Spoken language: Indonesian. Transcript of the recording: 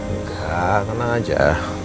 enggak tenang aja